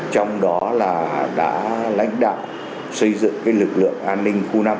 trong đó là đã lãnh đạo xây dựng lực lượng an ninh khu năm